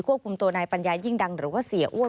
คุมตัวนายปัญญายิ่งดังหรือว่าเสียอ้วน